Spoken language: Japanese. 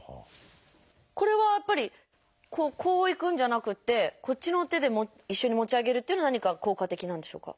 これはやっぱりこういくんじゃなくてこっちの手で一緒に持ち上げるっていうのは何か効果的なんでしょうか？